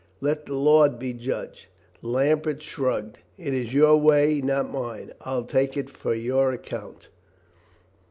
"Let the Lord be judge." Lambert shrugged. "It is your way, not mine. I'll take it for your account."